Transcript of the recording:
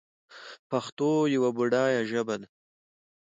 پښتو یوه بډایه ژبه ده.